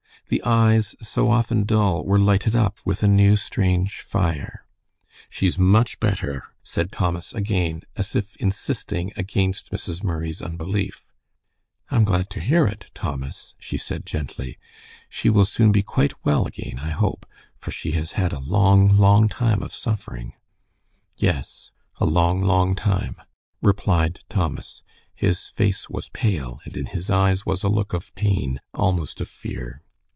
The eyes, so often dull, were lighted up with a new, strange fire. "She's much better," said Thomas again, as if insisting against Mrs. Murray's unbelief. "I am glad to hear it, Thomas," she said, gently. "She will soon be quite well again, I hope, for she has had a long, long time of suffering." "Yes, a long, long time," replied Thomas. His face was pale, and in his eyes was a look of pain, almost of fear.